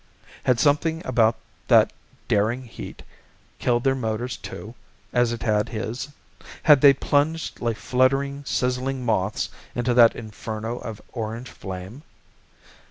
Had something about that daring heat killed their motors, too, as it had his? Had they plunged like fluttering, sizzling moths into that inferno of orange flame?